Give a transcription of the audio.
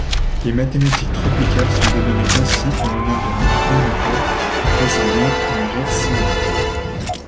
Les mathématiques tropicales sont dénommées ainsi en l'honneur de leur inventeur brésilien, Imre Simon.